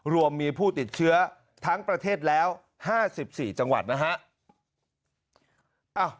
รวมมีผู้ติดเชื้อทั้งประเทศแล้ว๕๔จังหวัดนะฮะ